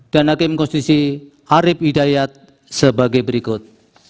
dan hakim konstitusi arief hidayat sebagai berikut